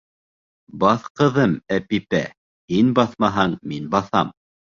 Баҫ, ҡыҙым, Әпипә, һин баҫмаһаң, мин баҫам